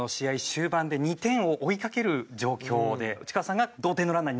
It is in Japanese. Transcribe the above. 終盤で２点を追いかける状況で内川さんが同点のランナーになるっていう。